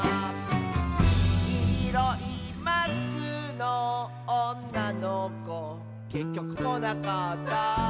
「きいろいマスクのおんなのこ」「けっきょくこなかった」